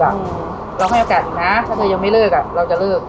ถ้าเธอยังไม่เลิกถ้าเธอยังไม่เลิกเราก็จะเลิก